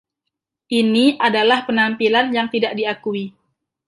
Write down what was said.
Ini adalah penampilan yang tidak diakui.